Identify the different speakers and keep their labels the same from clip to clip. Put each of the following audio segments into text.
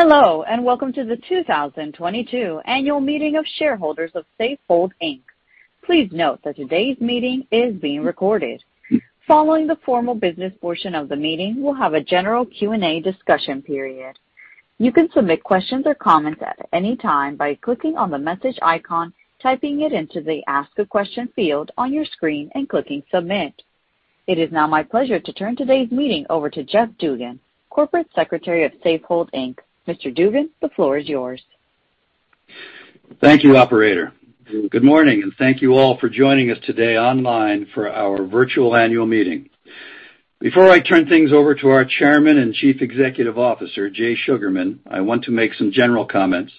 Speaker 1: Hello, and Welcome to the 2022 Annual Meeting of Shareholders of Safehold Inc. Please note that today's meeting is being recorded. Following the formal business portion of the meeting, we'll have a general Q&A discussion period. You can submit questions or comments at any time by clicking on the message icon, typing it into the Ask a Question field on your screen, and clicking Submit. It is now my pleasure to turn today's meeting over to Geoff Dugan, Corporate Secretary of Safehold Inc. Mr. Dugan, the floor is yours.
Speaker 2: Thank you, operator. Good morning, and thank you all for joining us today online for our virtual annual meeting. Before I turn things over to our Chairman and Chief Executive Officer, Jay Sugarman, I want to make some general comments.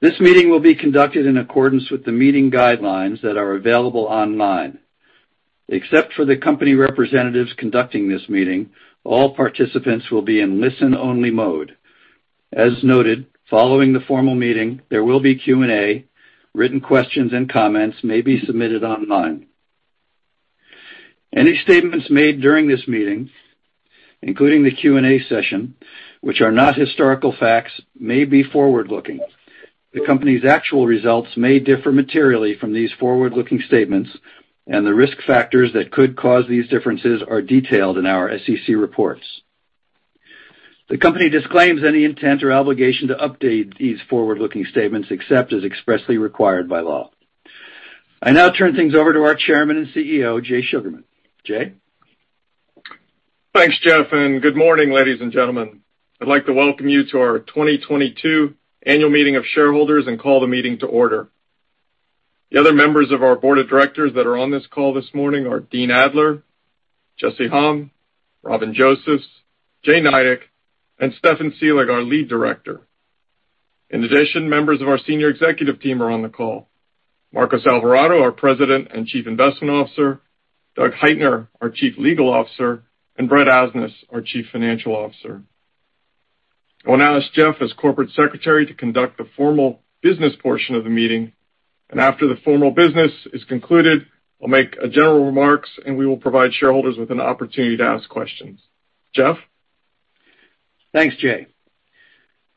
Speaker 2: This meeting will be conducted in accordance with the meeting guidelines that are available online. Except for the company representatives conducting this meeting, all participants will be in listen-only mode. As noted, following the formal meeting, there will be Q&A. Written questions and comments may be submitted online. Any statements made during this meeting, including the Q&A session, which are not historical facts, may be forward-looking. The company's actual results may differ materially from these forward-looking statements, and the risk factors that could cause these differences are detailed in our SEC reports. The company disclaims any intent or obligation to update these forward-looking statements, except as expressly required by law. I now turn things over to our Chairman and CEO, Jay Sugarman. Jay?
Speaker 3: Thanks, Geoff, and Good morning, ladies and gentlemen. I'd like to welcome you to our 2022 Annual Meeting of Shareholders and call the meeting to order. The other members of our board of directors that are on this call this morning are Dean Adler, Jesse Hom, Robin Josephs, Jay Nydick, and Stefan Selig, our Lead Director. In addition, members of our Senior Executive team are on the call. Marcos Alvarado, our President and Chief Investment Officer, Douglas Heitner, our Chief Legal Officer, and Brett Asnas, our Chief Financial Officer. I'll now ask Geoff, as Corporate Secretary, to conduct the formal business portion of the meeting. After the formal business is concluded, I'll make general remarks, and we will provide shareholders with an opportunity to ask questions. Geoff?
Speaker 2: Thanks, Jay.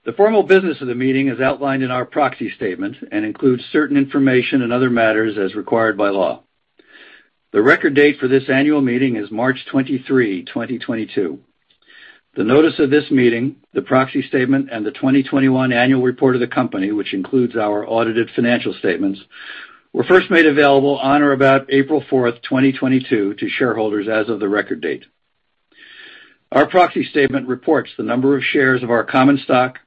Speaker 2: The formal business of the meeting is outlined in our proxy statement and includes certain information and other matters as required by law. The record date for this annual meeting is March 23, 2022. The notice of this meeting, the proxy statement, and the 2021 annual report of the company, which includes our audited financial statements, were first made available on or about April 4th, 2022 to shareholders as of the record date. Our proxy statement reports the number of shares of our common stock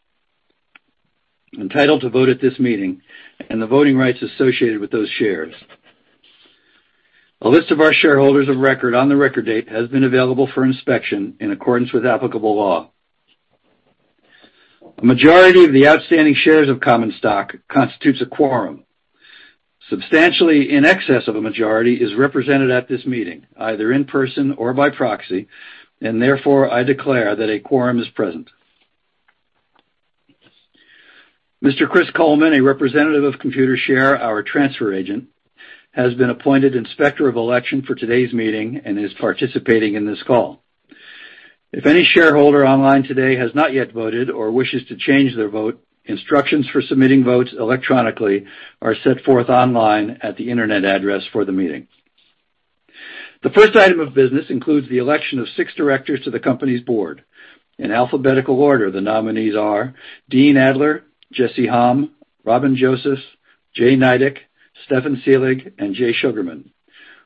Speaker 2: entitled to vote at this meeting and the voting rights associated with those shares. A list of our shareholders of record on the record date has been available for inspection in accordance with applicable law. A majority of the outstanding shares of common stock constitutes a quorum. Substantially in excess of a majority is represented at this meeting, either in person or by proxy, and therefore, I declare that a quorum is present. Mr. Chris Coleman, a representative of Computershare, our transfer agent, has been appointed Inspector of Election for today's meeting and is participating in this call. If any shareholder online today has not yet voted or wishes to change their vote, instructions for submitting votes electronically are set forth online at the internet address for the meeting. The first item of business includes the election of six directors to the company's board. In alphabetical order, the nominees are Dean Adler, Jesse Hom, Robin Josephs, Jay Nydick, Stefan Selig, and Jay Sugarman.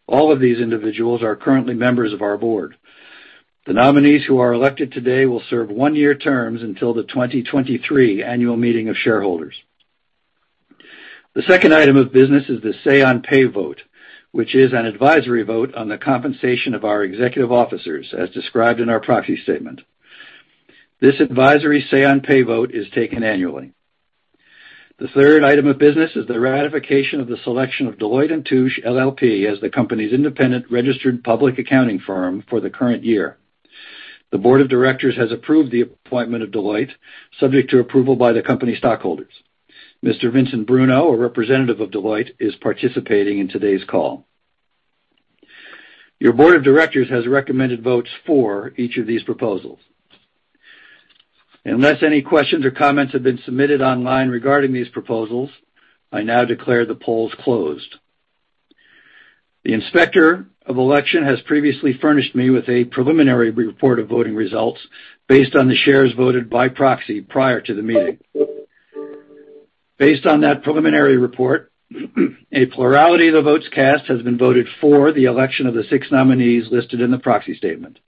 Speaker 2: All of these individuals are currently members of our board. The nominees who are elected today will serve one-year terms until the 2023 Annual Meeting of Shareholders. The second item of business is the say-on-pay vote, which is an advisory vote on the compensation of our executive officers, as described in our proxy statement. This advisory say-on-pay vote is taken annually. The third item of business is the ratification of the selection of Deloitte & Touche LLP as the company's independent registered public accounting firm for the current year. The board of directors has approved the appointment of Deloitte, subject to approval by the company stockholders. Mr. Vincent Bruno, a representative of Deloitte, is participating in today's call. Your board of directors has recommended votes for each of these proposals. Unless any questions or comments have been submitted online regarding these proposals, I now declare the polls closed. The Inspector of Election has previously furnished me with a preliminary report of voting results based on the shares voted by proxy prior to the meeting. Based on that preliminary report, a plurality of the votes cast has been voted for the election of the six nominees listed in the proxy statement.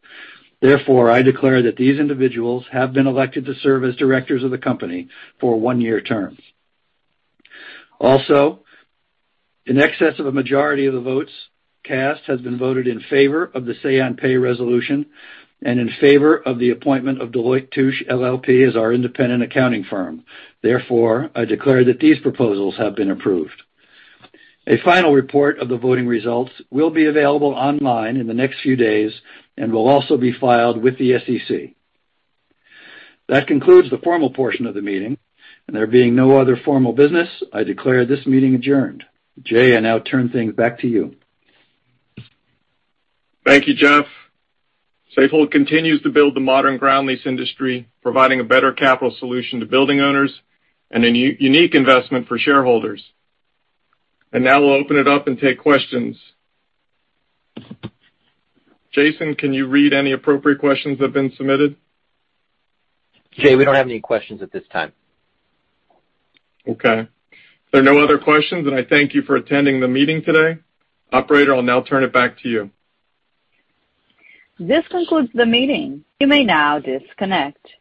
Speaker 2: Therefore, I declare that these individuals have been elected to serve as directors of the company for one-year terms. Also, in excess of a majority of the votes cast has been voted in favor of the say-on-pay resolution and in favor of the appointment of Deloitte & Touche LLP as our independent accounting firm. Therefore, I declare that these proposals have been approved. A final report of the voting results will be available online in the next few days and will also be filed with the SEC. That concludes the formal portion of the meeting. There being no other formal business, I declare this meeting adjourned. Jay, I now turn things back to you.
Speaker 3: Thank you, Geoff. Safehold continues to build the modern ground lease industry, providing a better capital solution to building owners and a unique investment for shareholders. Now we'll open it up and take questions. Jason, can you read any appropriate questions that have been submitted?
Speaker 4: Jay, we don't have any questions at this time.
Speaker 3: Okay. There are no other questions, and I thank you for attending the meeting today. Operator, I'll now turn it back to you.
Speaker 1: This concludes the meeting. You may now disconnect.